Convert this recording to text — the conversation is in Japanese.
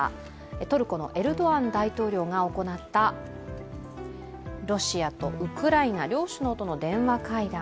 トルコのエルドアン大統領が行ったロシアとウクライナ、両首脳との電話会談